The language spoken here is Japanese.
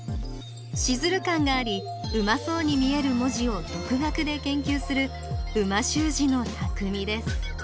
シズル感がありうまそうに見える文字を独学で研究する美味しゅう字のたくみです